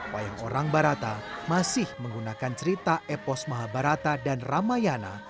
wayang orang barata masih menggunakan cerita epos mahabharata dan ramayana